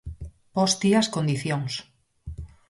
Pos ti as condicións.